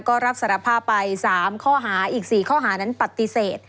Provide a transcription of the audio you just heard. ก็รับสารภาพไป๓ข้อหาอีก๔ข้อหานั้นปฏิเสธ